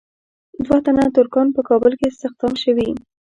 دوه تنه ترکان په کابل کې استخدام شوي.